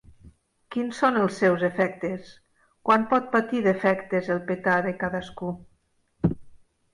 Quins són els seus efectes? Quan pot patir defectes el petar de cadascú?